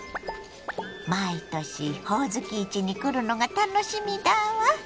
毎年ほおずき市に来るのが楽しみだわ。